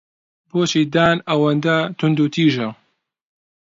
بۆچی دان ئەوەندە توندوتیژە؟